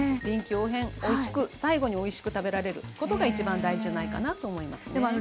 臨機応変おいしく最後においしく食べられることが一番大事じゃないかなと思いますね。